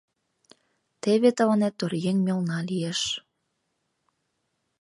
Теве тыланет оръеҥ мелна лиеш.